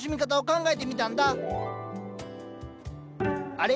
あれ？